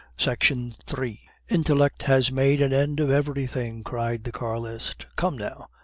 That is the question." "Intellect has made an end of everything," cried the Carlist. "Come now!